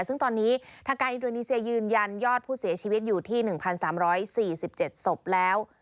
ซึ่งตอนนี้ทางการอินโดนีเซียยืนยันยอดผู้เสียชีวิตอยู่ที่๑๓๔๗ศพแล้ว